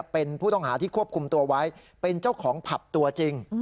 เป็นผู้ต้องหาที่ควบคุมตัวไว้เป็นเจ้าของผับตัวจริง